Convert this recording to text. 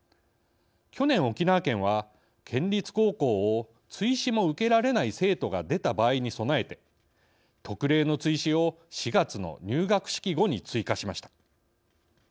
去年沖縄県は県立高校を追試も受けられない生徒が出た場合に備えて特例の追試を４月の入学式後に追加しました。